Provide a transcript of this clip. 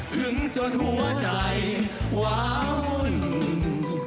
หึงจนหัวใจหวาหุ้น